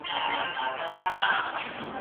زه لکه حباب د سېل په شپه درته راغلی یم